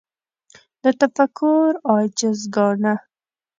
له تفکر عاجز ګاڼه